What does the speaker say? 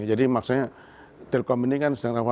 jadi maksudnya telkom ini kan sedang melakukan